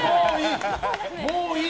もういい！